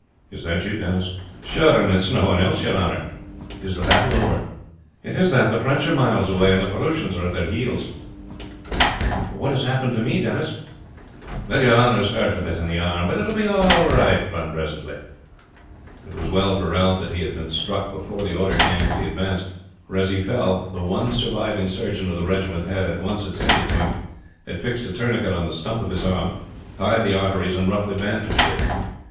"Is that you, Denis?" "Sure and it's no one else, your honor." "Is the battle over?" "It is that. The French are miles away, and the Proosians at their heels." "What has happened to me, Denis?" "Well, your honor's hurt a bit in the arm, but it will all come right presently." It was well for Ralph that he had been struck before the order came for the advance, for as he fell the one surviving surgeon of the regiment had at once attended to him, had fixed a tourniquet on the stump of his arm, tied the arteries, and roughly bandaged it.